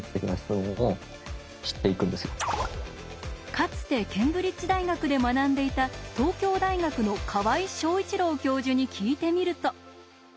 かつてケンブリッジ大学で学んでいた東京大学の河合祥一郎教授に聞いてみると。